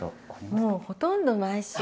もうほとんど毎週。